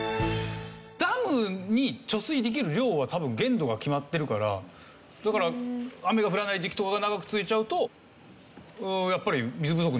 ダムに貯水できる量は多分限度が決まってるからだから雨が降らない時期とかが長く続いちゃうとやっぱり水不足になってしまうんじゃないですか？